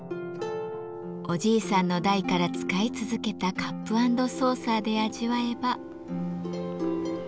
おじいさんの代から使い続けたカップ・アンド・ソーサーで味わえば。